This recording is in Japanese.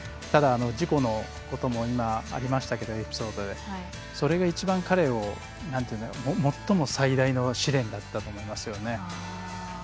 ただ、事故のことも今、エピソードでありましたけどそれが一番、彼の最も最大の試練だったと思いますよね。